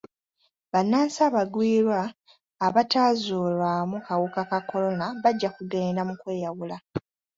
Bannansi abagwira abataazuulwamu kawuka ka kolona bajja kugenda mu kweyawula.